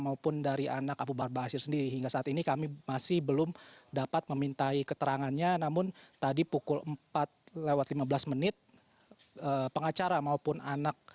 oleh karena itu kunjungan pada hari selasa ini memang menjadi pertanyaan apakah yang dilakukan ke pengacara